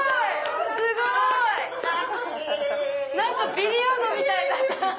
ビリヤードみたいだった！